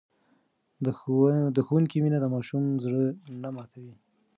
د ښوونکي مینه د ماشوم زړه نه ماتوي.